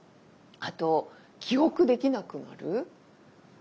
あと記憶できなくなる。